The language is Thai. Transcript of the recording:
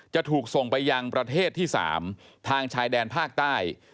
จะถูกส่งไปยังประเทศที่๓ทางชายแดนภาคใต้